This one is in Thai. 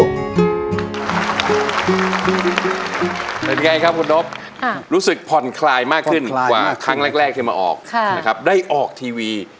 เป็นไงครับคุณนบรู้สึกผ่อนคลายมากขึ้นกว่าครั้งแรกที่มาออกนะครับได้ออกทีวี